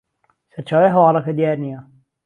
سەرچاوەی هەواڵەکە دیار نییە